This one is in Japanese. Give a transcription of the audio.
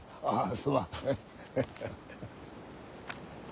あ？